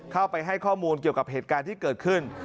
ให้ข้อมูลเกี่ยวกับเหตุการณ์ที่เกิดขึ้น